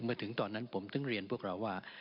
เมื่อถึงตอนนั้นผมต้องเรียนพวกเราว่า